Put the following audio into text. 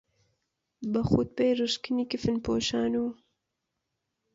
بە خوتبەی ڕشکنی کفنپۆشان و